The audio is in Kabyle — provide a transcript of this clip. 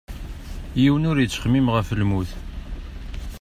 Yiwen ur yettxemmim ɣef lmut.